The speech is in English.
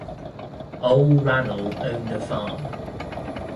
Ole Ran'l owned a farm.